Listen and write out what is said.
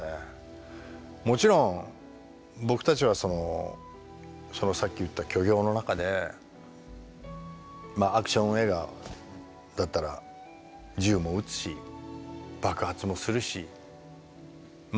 もちろん僕たちはさっき言った虚業の中でまあアクション映画だったら銃も撃つし爆発もするしま